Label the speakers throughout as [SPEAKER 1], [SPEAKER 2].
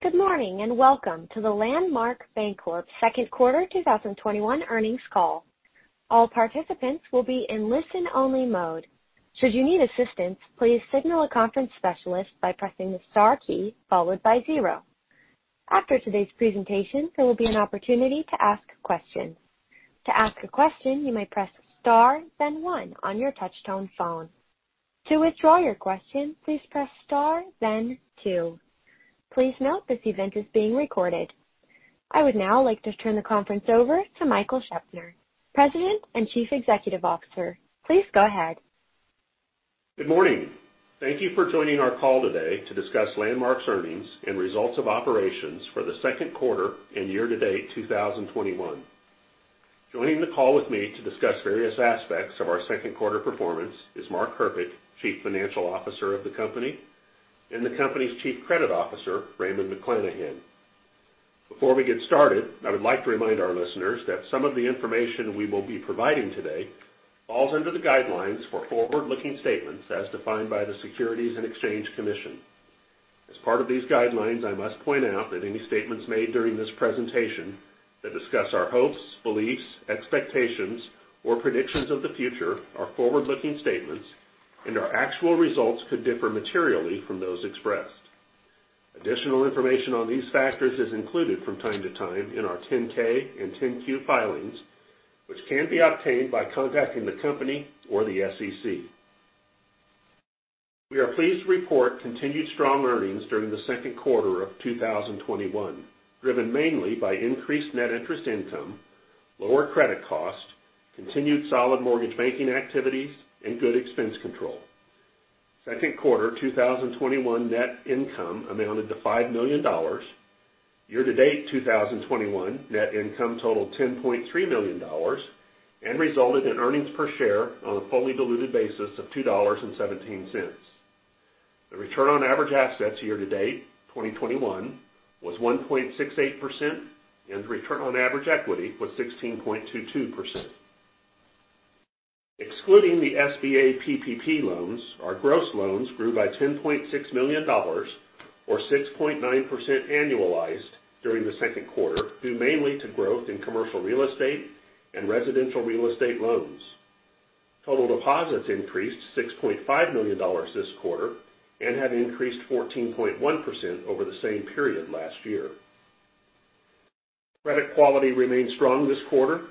[SPEAKER 1] Good morning, and welcome to the Landmark Bancorp second quarter 2021 earnings call. All participants will be in listen-only mode. Should you need assistance, please signal a conference specialist by pressing the star key followed by zero. After today's presentation, there will be an opportunity to ask questions. To ask a question, you may press star then one on your touch-tone phone. To withdraw your question, please press star then two. Please note this event is being recorded. I would now like to turn the conference over to Michael Scheopner, President and Chief Executive Officer. Please go ahead.
[SPEAKER 2] Good morning. Thank you for joining our call today to discuss Landmark's earnings and results of operations for the second quarter and year-to-date 2021. Joining the call with me to discuss various aspects of our second quarter performance is Mark Herpich, Chief Financial Officer of the company, and the company's Chief Credit Officer, Raymond McLanahan. Before we get started, I would like to remind our listeners that some of the information we will be providing today falls under the guidelines for forward-looking statements as defined by the Securities and Exchange Commission. As part of these guidelines, I must point out that any statements made during this presentation that discuss our hopes, beliefs, expectations, or predictions of the future are forward-looking statements, and our actual results could differ materially from those expressed. Additional information on these factors is included from time to time in our 10-K and 10-Q filings, which can be obtained by contacting the company or the SEC. We are pleased to report continued strong earnings during the second quarter of 2021, driven mainly by increased net interest income, lower credit cost, continued solid mortgage banking activities, and good expense control. Second quarter 2021 net income amounted to $5 million. Year-to-date 2021 net income totaled $10.3 million and resulted in earnings per share on a fully diluted basis of $2.17. The return on average assets year to date 2021 was 1.68%, and return on average equity was 16.22%. Excluding the SBA PPP loans, our gross loans grew by $10.6 million, or 6.9% annualized, during the second quarter, due mainly to growth in commercial real estate and residential real estate loans. Total deposits increased $6.5 million this quarter and have increased 14.1% over the same period last year. Credit quality remained strong this quarter.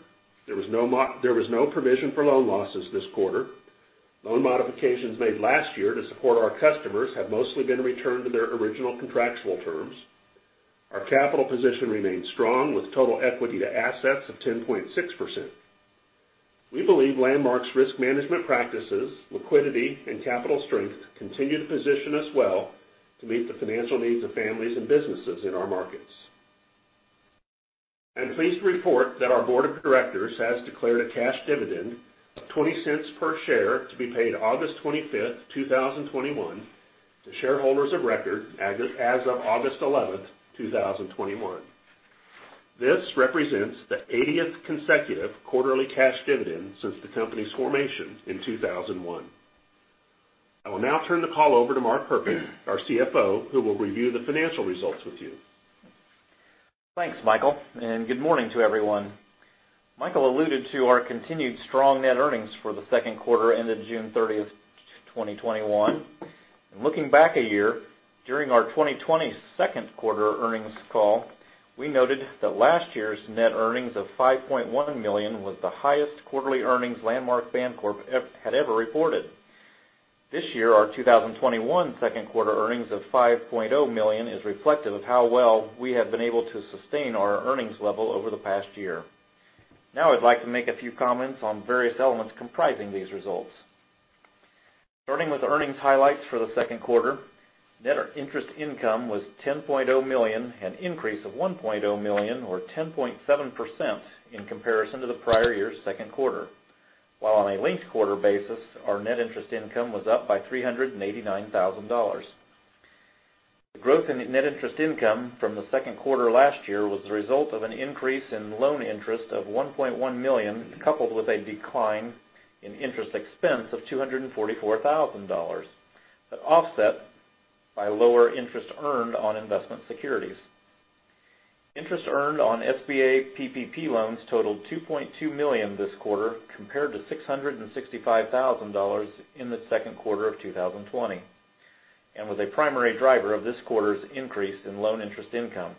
[SPEAKER 2] There was no provision for loan losses this quarter. Loan modifications made last year to support our customers have mostly been returned to their original contractual terms. Our capital position remains strong with total equity to assets of 10.6%. We believe Landmark's risk management practices, liquidity, and capital strength continue to position us well to meet the financial needs of families and businesses in our markets. I'm pleased to report that our Board of Directors has declared a cash dividend of $0.20 per share to be paid on August 25th, 2021, to shareholders of record as of August 11th, 2021. This represents the 80th consecutive quarterly cash dividend since the company's formation in 2001. I will now turn the call over to Mark Herpich, our CFO, who will review the financial results with you.
[SPEAKER 3] Thanks, Michael. Good morning to everyone. Michael alluded to our continued strong net earnings for the second quarter ended June 30th, 2021. Looking back a year, during our 2020 second quarter earnings call, we noted that last year's net earnings of $5.1 million was the highest quarterly earnings Landmark Bancorp had ever reported. This year, our 2021 second quarter earnings of $5.0 million is reflective of how well we have been able to sustain our earnings level over the past year. Now I'd like to make a few comments on various elements comprising these results. Starting with earnings highlights for the second quarter, net interest income was $10.0 million, an increase of $1.0 million or 10.7% in comparison to the prior year's second quarter. While on a linked-quarter basis, our net interest income was up by $389,000. The growth in net interest income from the second quarter last year was the result of an increase in loan interest of $1.1 million, coupled with a decline in interest expense of $244,000, but offset by lower interest earned on investment securities. Interest earned on SBA PPP loans totaled $2.2 million this quarter, compared to $665,000 in the second quarter of 2020, and was a primary driver of this quarter's increase in loan interest income.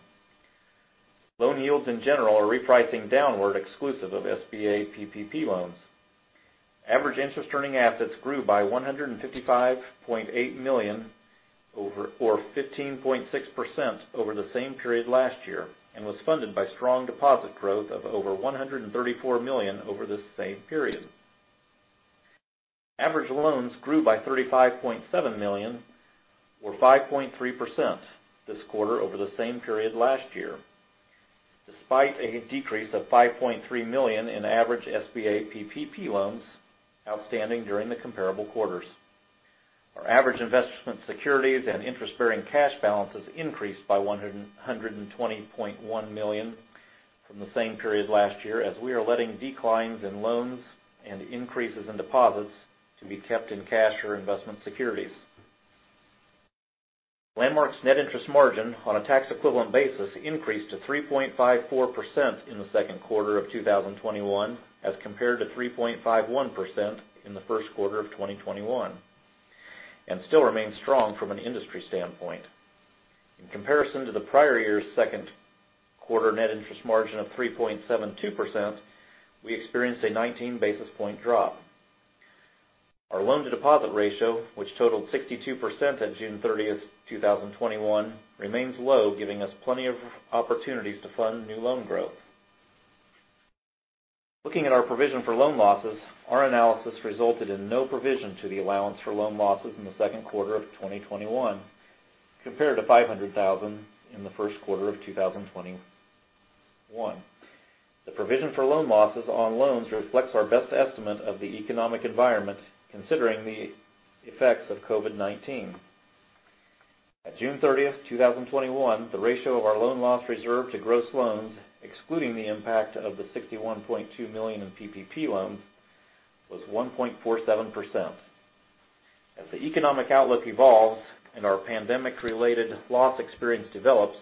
[SPEAKER 3] Loan yields, in general, are repricing downward, exclusive of SBA PPP loans. Average interest-earning assets grew by $155.8 million or 15.6% over the same period last year, and were funded by strong deposit growth of over $134 million over the same period. Average loans grew by $35.7 million or 5.3% this quarter over the same period last year, despite a decrease of $5.3 million in average SBA PPP loans outstanding during the comparable quarters. Our average investment securities and interest-bearing cash balances increased by $120.1 million from the same period last year, as we are letting declines in loans and increases in deposits be kept in cash or investment securities. Landmark's net interest margin on a tax equivalent basis increased to 3.54% in the second quarter of 2021, as compared to 3.51% in the first quarter of 2021, and still remains strong from an industry standpoint. In comparison to the prior year's second quarter net interest margin of 3.72%, we experienced a 19 basis point drop. Our loan-to-deposit ratio, which totaled 62% at June 30th, 2021, remains low, giving us plenty of opportunities to fund new loan growth. Looking at our provision for loan losses, our analysis resulted in no provision to the allowance for loan losses in the second quarter of 2021, compared to $500,000 in the first quarter of 2021. The provision for loan losses on loans reflects our best estimate of the economic environment, considering the effects of COVID-19. As of June 30th, 2021, the ratio of our loan loss reserve to gross loans, excluding the impact of the $61.2 million in PPP loans, was 1.47%. As the economic outlook evolves and our pandemic-related loss experience develops,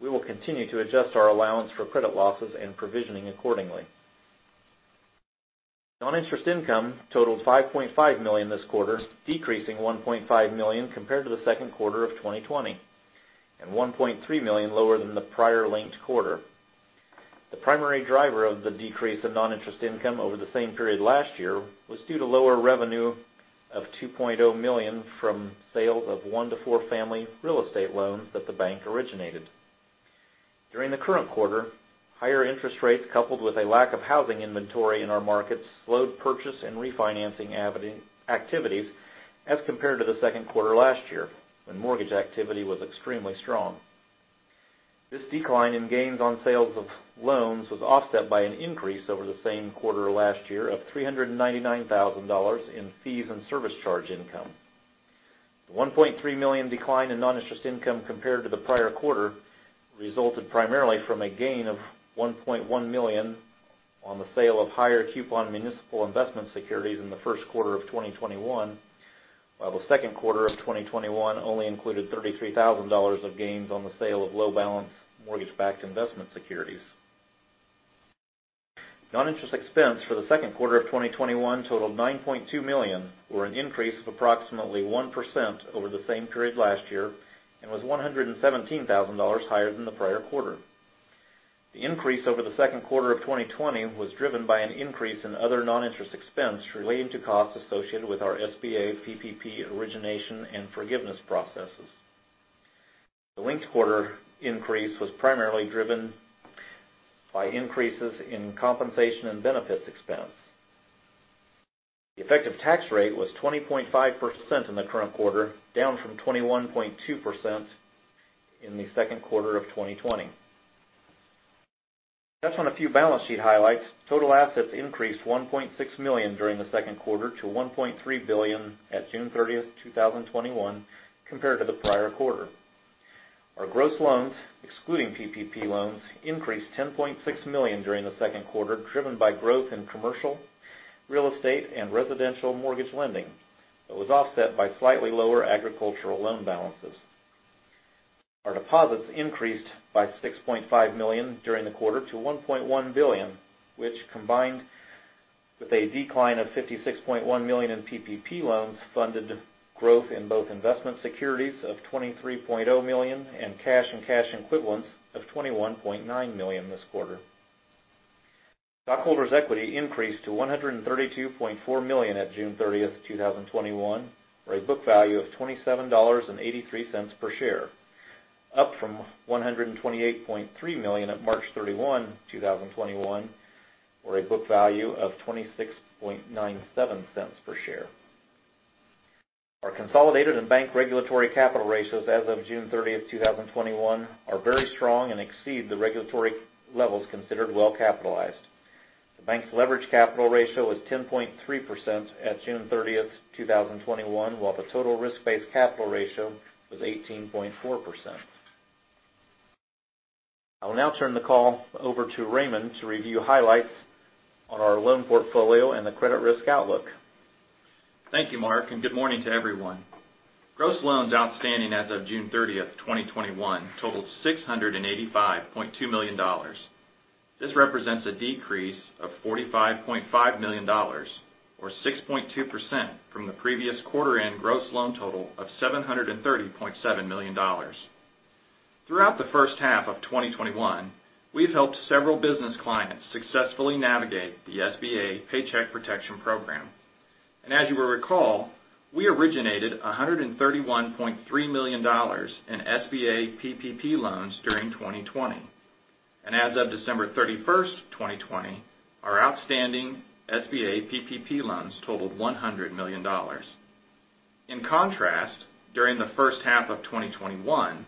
[SPEAKER 3] we will continue to adjust our allowance for credit losses and provisioning accordingly. Non-interest income totaled $5.5 million this quarter, decreasing $1.5 million compared to the second quarter of 2020, and $1.3 million lower than the prior linked quarter. The primary driver of the decrease in non-interest income over the same period last year was due to lower revenue of $2.0 million from sales of one-to-four-family real estate loans that the bank originated. During the current quarter, higher interest rates coupled with a lack of housing inventory in our markets slowed purchase and refinancing activities as compared to the second quarter last year, when mortgage activity was extremely strong. This decline in gains on sales of loans was offset by an increase over the same quarter last year of $399,000 in fees and service charge income. The $1.3 million decline in non-interest income compared to the prior quarter resulted primarily from a gain of $1.1 million on the sale of higher-coupon municipal investment securities in the first quarter of 2021, while the second quarter of 2021 only included $33,000 of gains on the sale of low-balance mortgage-backed investment securities. Non-interest expense for the second quarter of 2021 totaled $9.2 million, or an increase of approximately 1% over the same period last year, and was $117,000 higher than the prior quarter. The increase over the second quarter of 2020 was driven by an increase in other non-interest expense relating to costs associated with our SBA PPP origination and forgiveness processes. The linked quarter increase was primarily driven by increases in compensation and benefits expense. The effective tax rate was 20.5% in the current quarter, down from 21.2% in the second quarter of 2020. Touching on a few balance sheet highlights, total assets increased $1.6 million during the second quarter to $1.3 billion at June 30th, 2021, compared to the prior quarter. Our gross loans, excluding PPP loans, increased $10.6 million during the second quarter, driven by growth in commercial, real estate, and residential mortgage lending, but was offset by slightly lower agricultural loan balances. Our deposits increased by $6.5 million during the quarter to $1.1 billion, which, combined with a decline of $56.1 million in PPP loans, funded growth in both investment securities of $23.0 million and cash and cash equivalents of $21.9 million this quarter. Stockholders' equity increased to $132.4 million at June 30th, 2021, for a book value of $27.83 per share, up from $128.3 million at March 31, 2021, for a book value of $26.97 per share. Our consolidated and bank regulatory capital ratios as of June 30th, 2021, are very strong and exceed the regulatory levels considered well capitalized. The bank's leverage capital ratio is 10.3% at June 30th, 2021, while the total risk-based capital ratio was 18.4%. I will now turn the call over to Raymond to review highlights on our loan portfolio and the credit risk outlook.
[SPEAKER 4] Thank you, Mark, and good morning to everyone. Gross loans outstanding as of June 30th, 2021, totaled $685.2 million. This represents a decrease of $45.5 million, or 6.2%, from the previous quarter end gross loan total of $730.7 million. Throughout the first half of 2021, we've helped several business clients successfully navigate the SBA Paycheck Protection Program. As you will recall, we originated $131.3 million in SBA PPP loans during 2020. As of December 31st, 2020, our outstanding SBA PPP loans totaled $100 million. In contrast, during the first half of 2021,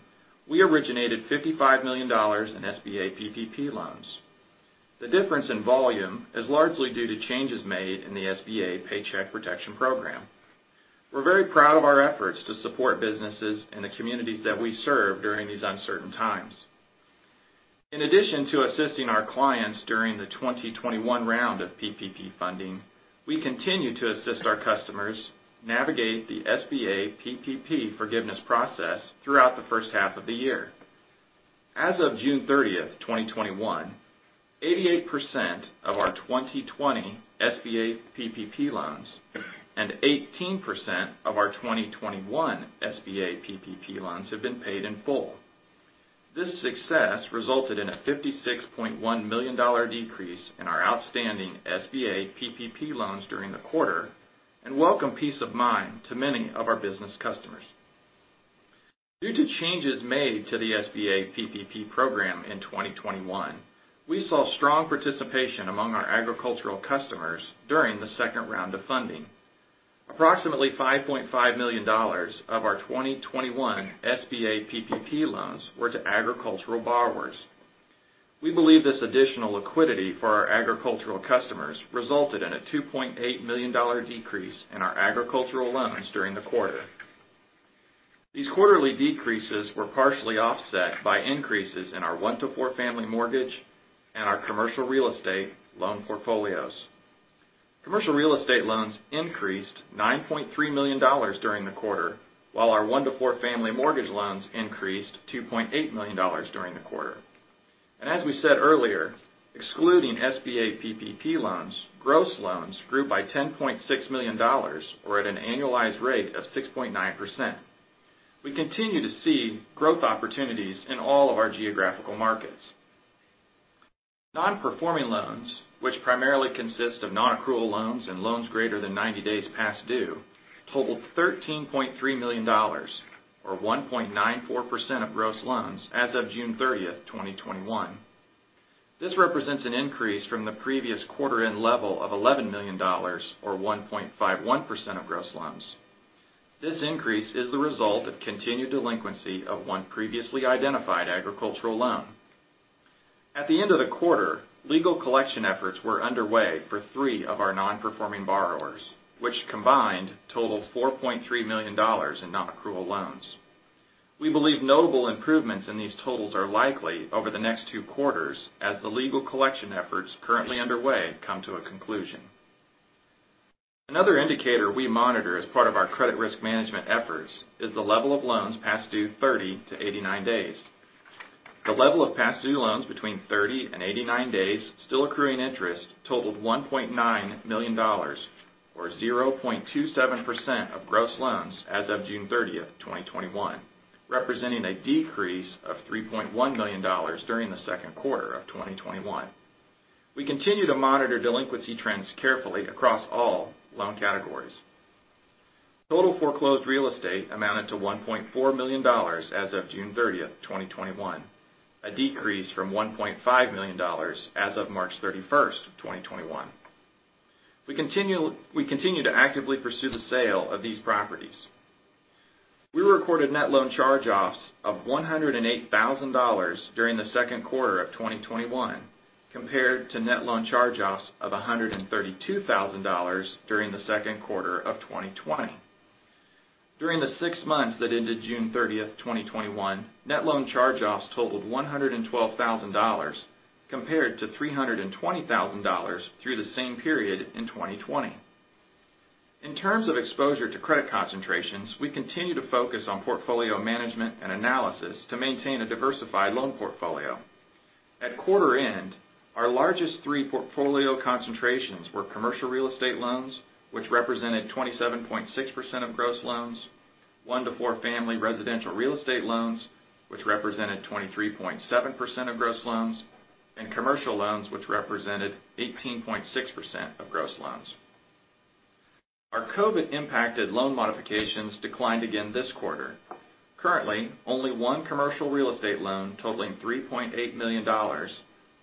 [SPEAKER 4] we originated $55 million in SBA PPP loans. The difference in volume is largely due to changes made in the SBA Paycheck Protection Program. We're very proud of our efforts to support businesses in the communities that we serve during these uncertain times. In addition to assisting our clients during the 2021 round of PPP funding, we continue to assist our customers in navigating the SBA PPP forgiveness process throughout the first half of the year. As of June 30th, 2021, 88% of our 2020 SBA PPP loans and 18% of our 2021 SBA PPP loans have been paid in full. This success resulted in a $56.1 million decrease in our outstanding SBA PPP loans during the quarter, and welcomed peace of mind to many of our business customers. Due to changes made to the SBA PPP program in 2021, we saw strong participation among our agricultural customers during the second round of funding. Approximately $5.5 million of our 2021 SBA PPP loans were to agricultural borrowers. We believe this additional liquidity for our agricultural customers resulted in a $2.8 million decrease in our agricultural loans during the quarter. These quarterly decreases were partially offset by increases in our one-to-four-family mortgage and our commercial real estate loan portfolios. Commercial real estate loans increased $9.3 million during the quarter, while our one-to-four-family mortgage loans increased $2.8 million during the quarter. As we said earlier, excluding SBA PPP loans, gross loans grew by $10.6 million, or at an annualized rate of 6.9%. We continue to see growth opportunities in all of our geographical markets. Non-performing loans, which primarily consist of non-accrual loans and loans greater than 90 days past due, totaled $13.3 million, or 1.94% of gross loans as of June 30, 2021. This represents an increase from the previous quarter's end level of $11 million, or 1.51% of gross loans. This increase is the result of the continued delinquency of one previously identified agricultural loan. At the end of the quarter, legal collection efforts were underway for three of our non-performing borrowers, which combined totaled $4.3 million in non-accrual loans. We believe notable improvements in these totals are likely over the next two quarters as the legal collection efforts currently underway come to a conclusion. Another indicator we monitor as part of our credit risk management efforts is the level of loans past due 30 to 89 days. The level of past due loans between 30 and 89 days still accruing interest totaled $1.9 million, or 0.27% of gross loans as of June 30th, 2021, representing a decrease of $3.1 million during the second quarter of 2021. We continue to monitor delinquency trends carefully across all loan categories. Total foreclosed real estate amounted to $1.4 million as of June 30th, 2021, a decrease from $1.5 million as of March 31st, 2021. We continue to actively pursue the sale of these properties. We recorded net loan charge-offs of $108,000 during the second quarter of 2021, compared to net loan charge-offs of $132,000 during the second quarter of 2020. During the six months that ended June 30th, 2021, net loan charge-offs totaled $112,000, compared to $320,000 through the same period in 2020. In terms of exposure to credit concentrations, we continue to focus on portfolio management and analysis to maintain a diversified loan portfolio. At quarter end, our largest three portfolio concentrations were commercial real estate loans, which represented 27.6% of gross loans, one-to-four-family residential real estate loans, which represented 23.7% of gross loans, and commercial loans, which represented 18.6% of gross loans. Our COVID-19-impacted loan modifications declined again this quarter. Currently, only one commercial real estate loan totaling $3.8 million,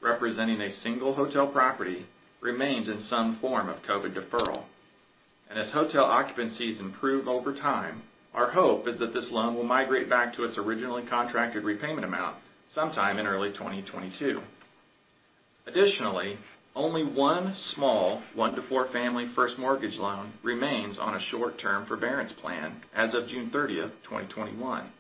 [SPEAKER 4] representing a single hotel property, remains in some form of COVID-19 deferral. As hotel occupancies improve over time, our hope is that this loan will migrate back to its originally contracted repayment amount sometime in early 2022. Additionally, only one small one-to-four-family first mortgage loan remains on a short-term forbearance plan as of June 30th, 2021.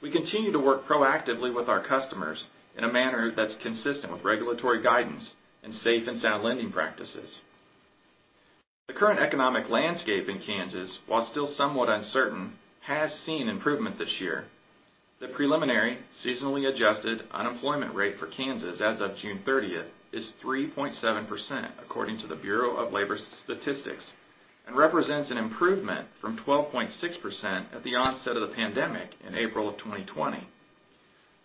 [SPEAKER 4] We continue to work proactively with our customers in a manner that's consistent with regulatory guidance and safe and sound lending practices. The current economic landscape in Kansas, while still somewhat uncertain, has seen improvement this year. The preliminary seasonally adjusted unemployment rate for Kansas as of June 30th is 3.7%, according to the Bureau of Labor Statistics, and represents an improvement from 12.6% at the onset of the pandemic in April 2020.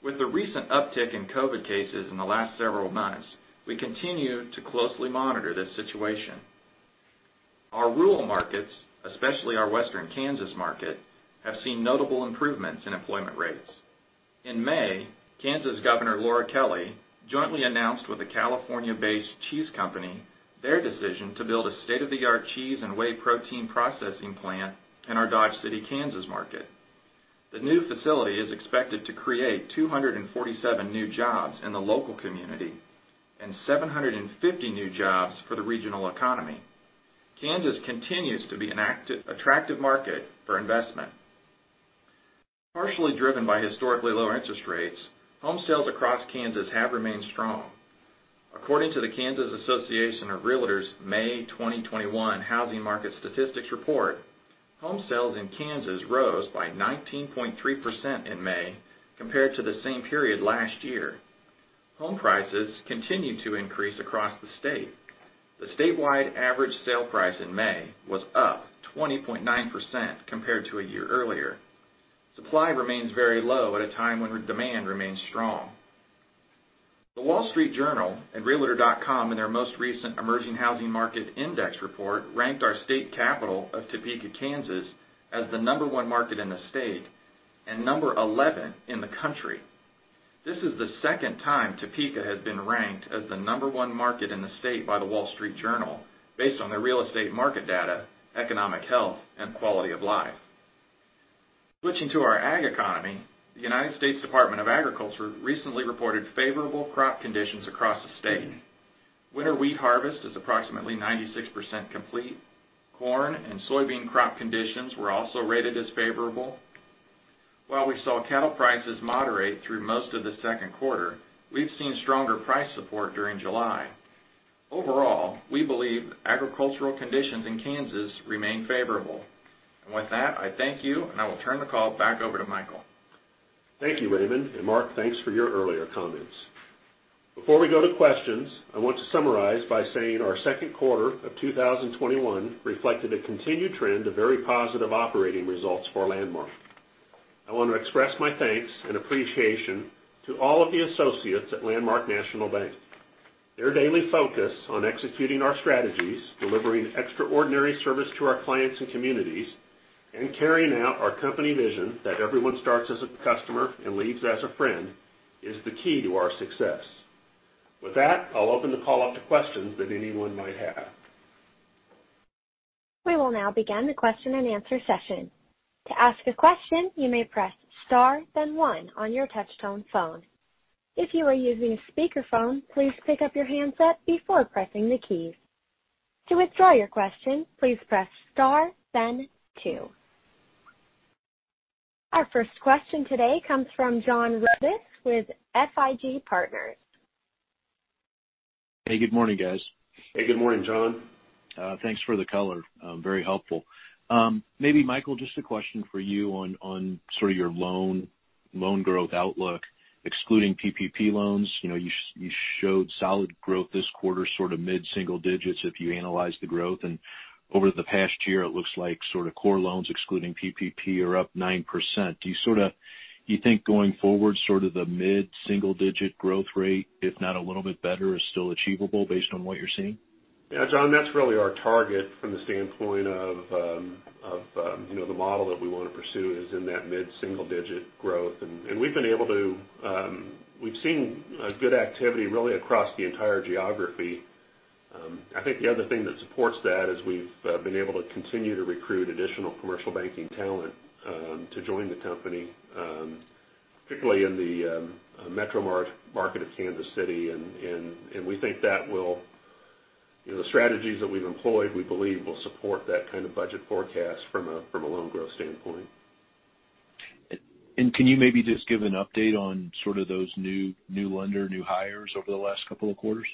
[SPEAKER 4] With the recent uptick in COVID cases in the last several months, we continue to closely monitor this situation. Our rural markets, especially our Western Kansas market, have seen notable improvements in employment rates. In May, Kansas Governor Laura Kelly jointly announced with a California-based cheese company their decision to build a state-of-the-art cheese and whey protein processing plant in our Dodge City, Kansas market. The new facility is expected to create 247 new jobs in the local community and 750 new jobs for the regional economy. Kansas continues to be an attractive market for investment. Partially driven by historically low interest rates, home sales across Kansas have remained strong. According to the Kansas Association of REALTORS May 2021 housing market statistics report, home sales in Kansas rose by 19.3% in May compared to the same period last year. Home prices continue to increase across the state. The statewide average sale price in May was up 20.9% compared to a year earlier. Supply remains very low at a time when demand remains strong. The Wall Street Journal and realtor.com, in their most recent Emerging Housing Markets Index report, ranked our state capital, Topeka, Kansas, as the number one market in the state and number 11 in the country. This is the second time Topeka has been ranked as the number one market in the state by The Wall Street Journal based on its real estate market data, economic health, and quality of life. Switching to our ag economy, the United States Department of Agriculture recently reported favorable crop conditions across the state. Winter wheat harvest is approximately 96% complete. Corn and soybean crop conditions were also rated as favorable. While we saw cattle prices moderate through most of the second quarter, we've seen stronger price support during July. Overall, we believe agricultural conditions in Kansas remain favorable. With that, I thank you, and I will turn the call back over to Michael.
[SPEAKER 2] Thank you, Raymond, and Mark, thanks for your earlier comments. Before we go to questions, I want to summarize by saying our second quarter of 2021 reflected a continued trend of very positive operating results for Landmark. I want to express my thanks and appreciation to all of the associates at Landmark National Bank. Their daily focus on executing our strategies, delivering extraordinary service to our clients and communities, and carrying out our company vision that everyone starts as a customer and leaves as a friend, is the key to our success. With that, I'll open the call up to questions that anyone might have.
[SPEAKER 1] We will now begin the question-and-answer session. To ask a question, you may press star then one on your touch-tone phone. If you are using a speakerphone, please pick up your handset before pressing the keys. To withdraw your question, please press star then two. Our first question today comes from John Rodis with FIG Partners.
[SPEAKER 5] Hey, good morning, guys.
[SPEAKER 2] Hey, good morning, John.
[SPEAKER 5] Thanks for the color. Very helpful. Maybe Michael, just a question for you on sort of your loan growth outlook, excluding PPP loans. You showed solid growth this quarter, sort of mid-single digits if you annualize the growth. Over the past year, it looks like sort of core loans, excluding PPP, are up 9%. Do you think going forward, sort of the mid-single-digit growth rate, if not a little bit better, is still achievable based on what you're seeing?
[SPEAKER 2] Yeah, John, that's really our target from the standpoint of the model that we want to pursue, which is in that mid-single-digit growth. We've seen a good activity really across the entire geography. I think the other thing that supports that is we've been able to continue to recruit additional commercial banking talent to join the company, particularly in the metro market of Kansas City. The strategies that we've employed, we believe, will support that kind of budget forecast from a loan growth standpoint.
[SPEAKER 5] Can you maybe just give an update on sort of those new lenders, new hires over the last couple of quarters?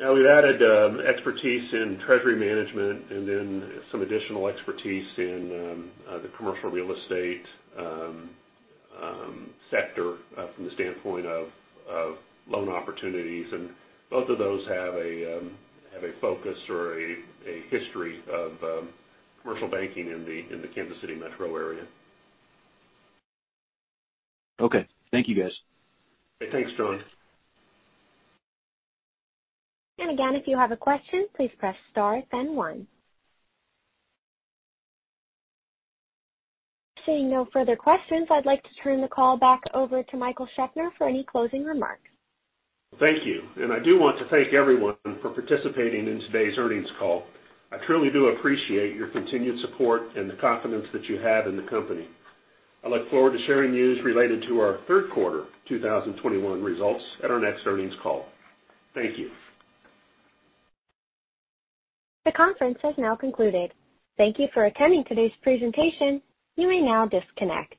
[SPEAKER 2] Yeah, we've added expertise in treasury management and then some additional expertise in the commercial real estate sector from the standpoint of loan opportunities. Both of those have a focus or a history of commercial banking in the Kansas City metro area.
[SPEAKER 5] Okay. Thank you, guys.
[SPEAKER 2] Thanks, John.
[SPEAKER 1] Again, if you have a question, please press star then one. Seeing no further questions, I'd like to turn the call back over to Michael Scheopner for any closing remarks.
[SPEAKER 2] Thank you. I do want to thank everyone for participating in today's earnings call. I truly do appreciate your continued support and the confidence that you have in the company. I look forward to sharing news related to our third quarter 2021 results at our next earnings call. Thank you.
[SPEAKER 1] The conference has now concluded. Thank you for attending today's presentation. You may now disconnect.